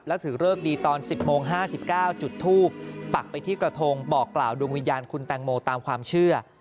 แล้วถือเลิกดีตอน๑๐โมง๕๙จุดทูปปักไปที่กระทงบอกกล่าวดวงวิญญาณคุณแตงโมตามความเชื่อ